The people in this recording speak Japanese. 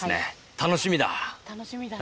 楽しみだね。